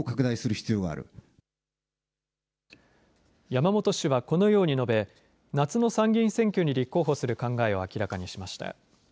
山本氏はこのように述べ夏の参議院選挙に立候補する考えを明らかにしました。